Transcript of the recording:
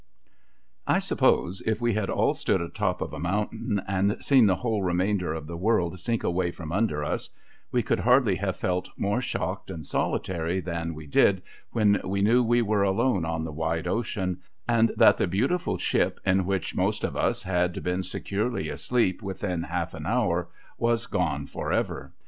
I suppose if we had all stood a top of a mountain, and seen the whole remainder of the world sink away from under us, we could hardly have felt more shocked and solitary than we did when we knew we were alone on the wide ocean, and that the beautiful ship in which most of us had been securely asleep within half an hour was gone for ever.